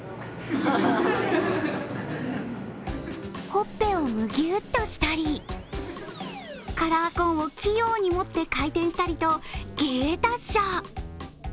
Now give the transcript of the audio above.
ほっぺをムギュッとしたり、カラーコーンを器用に持って回転したりと芸達者。